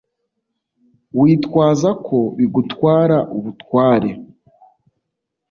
witwaza ko bigutwara ubutware